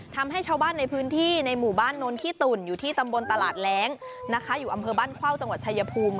ทำให้ชาวบ้านในพื้นที่ในหมู่บ้านโน้นขี้ตุ่นอยู่ที่ตำบลตลาดแร้งนะคะอยู่อำเภอบ้านเข้าจังหวัดชายภูมิ